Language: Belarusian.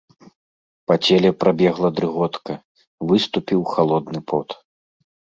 Па целе прабегла дрыготка, выступіў халодны пот.